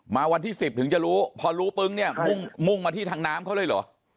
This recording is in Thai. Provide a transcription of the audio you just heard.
วันที่๑๐ถึงจะรู้พอรู้ปึ้งเนี่ยมุ่งมาที่ทางน้ำเขาเลยเหรอ